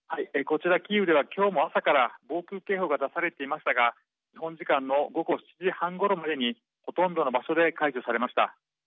こちらキーウでは今日も朝から防空警報が出されていましたが日本時間の午後７時半ごろまでにほとんどの場所で解除されました。